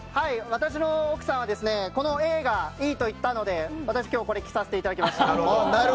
私の奥さんはＡがいいと言ったので私、今日これを着させていただきました。